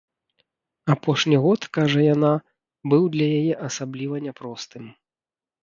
Апошні год, кажа яна, быў для яе асабліва няпростым.